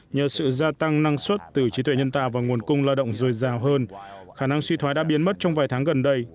nhờ sự gia tăng năng suất từ trí tuệ nhân tạo và nguồn cung lao động dồi dào hơn khả năng suy thoái đã biến mất trong vài tháng gần đây